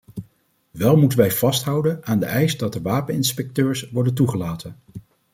Wel moeten wij vasthouden aan de eis dat de wapeninspecteurs worden toegelaten.